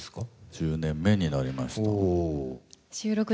１０年目になりました。